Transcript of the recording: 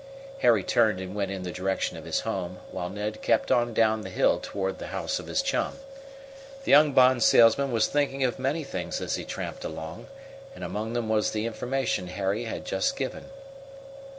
Harry turned and went in the direction of his home, while Ned kept on down the hill toward the house of his chum. The young bond salesman was thinking of many things as he tramped, along, and among them was the information Harry had just given.